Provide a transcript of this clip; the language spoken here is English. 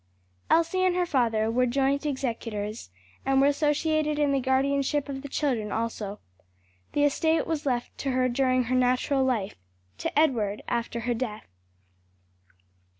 Elsie and her father were joint executors, and were associated in the guardianship of the children also. The estate was left to her during her natural life, to Edward after her death.